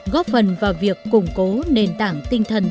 góp phần vào việc củng cố nền tảng tinh thần